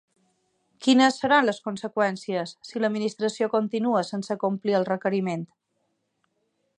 Quines seran les conseqüències si l'Administració continua sense complir el requeriment?